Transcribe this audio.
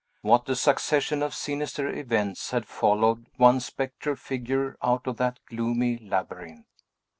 What a succession of sinister events had followed one spectral figure out of that gloomy labyrinth.